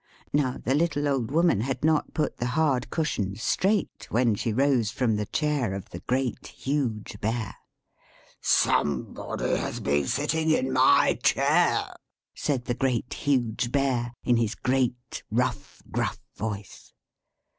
Now, the little Old Woman had not put the hard cushion straight after she had sat in the chair of the Great, Huge Bear. "=Somebody has been sitting in my chair!=" said the Great, Huge Bear, in his great, rough, gruff voice.